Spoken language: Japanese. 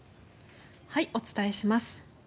お伝えします。